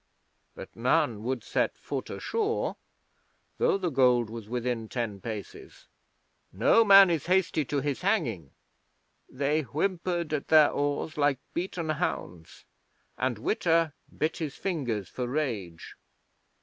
But none would set foot ashore, though the gold was within ten paces. No man is hasty to his hanging! They whimpered at their oars like beaten hounds, and Witta bit his fingers for rage.